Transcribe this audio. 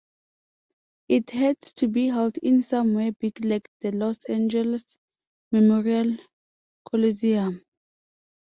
It had to be held in somewhere big-like the Los Angeles Memorial Coliseum.